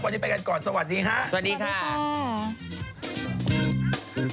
วันนี้ไปกันก่อนสวัสดีค่ะ